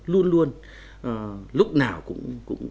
luôn luôn lúc nào cũng